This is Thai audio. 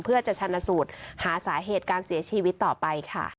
เพื่อจะชนะสูตรหาสาเหตุการเสียชีวิตต่อไปค่ะ